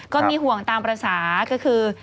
ก็มีห่วงตามภาษาก็คือ